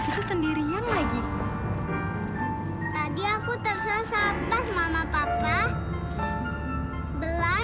kalau di liftnya kita bisa pulang